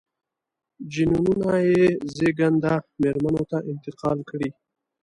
جینونه یې زېږنده مېرمنو ته انتقال کړي.